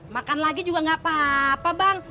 makan lagi juga nggak apa apa bang